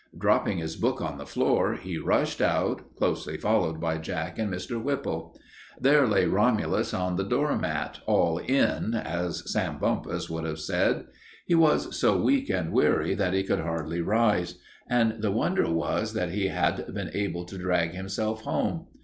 Dropping his book on the floor, he rushed out, closely followed by Jack and Mr. Whipple. There lay Romulus on the door mat, "all in," as Sam Bumpus would have said. He was so weak and weary that he could hardly rise, and the wonder was that he had been able to drag himself home.